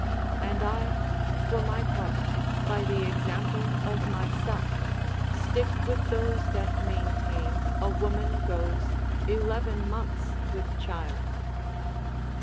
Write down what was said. and I, for my part, by the example of myself, stick with those that maintain a woman goes eleven months with child.